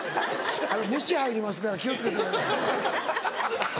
虫入りますから気を付けてください。